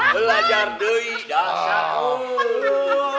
belajar dui dasha uuu